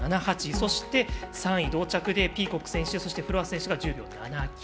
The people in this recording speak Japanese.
そして、３位同着でピーコック選手、フロアス選手が１０秒７９。